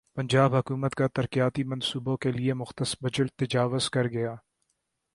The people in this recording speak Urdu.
پنجاب حکومت کا ترقیاتی منصوبوں کیلئےمختص بجٹ تجاوزکرگیا